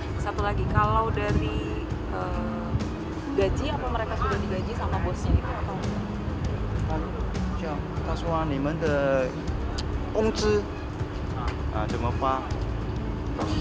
ini satu lagi kalau dari gaji apa mereka sudah digaji sama bosnya itu atau